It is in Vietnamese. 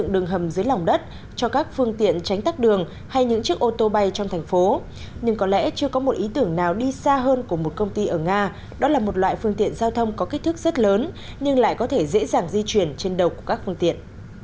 đó là một loại phương tiện giao thông có kích thước rất lớn nhưng lại có thể dễ dàng di chuyển trên đầu của các phương tiện